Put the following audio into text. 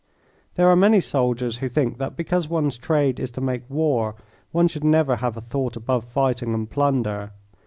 There are many soldiers who think that because one's trade is to make war one should never have a thought above fighting and plunder.